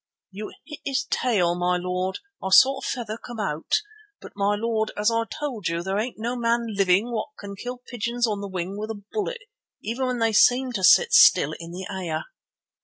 "You hit his tail, my lord. I saw a feather come out. But, my lord, as I told you, there ain't no man living what can kill pigeons on the wing with a bullet, even when they seem to sit still in the air."